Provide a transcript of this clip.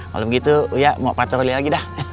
kalo begitu uya mau pacar beli lagi dah